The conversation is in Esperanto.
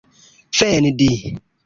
vendi